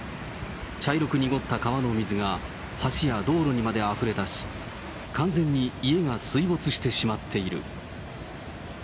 茶色く濁った川の水が、橋や道路にまであふれだし、完全に家が水没してしまっている。